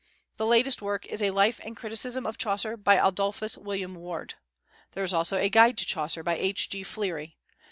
The latest work is a Life and Criticism of Chaucer, by Adolphus William Ward. There is also a Guide to Chaucer, by H.G. Fleary.